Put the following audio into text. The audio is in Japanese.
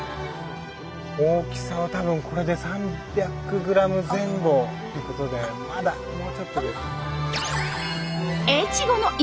大きさは多分これで３００グラム前後という事でまだもうちょっとですね。